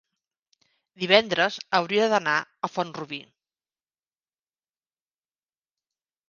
divendres hauria d'anar a Font-rubí.